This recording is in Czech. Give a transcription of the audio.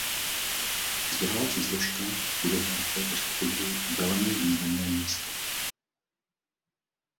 Vzdělávací složka bude hrát v této strategii velmi významné místo.